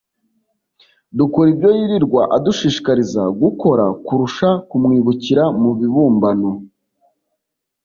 dukora ibyo yirirwa adushishikariza gukora kurusha kumwibukira mu bibumbano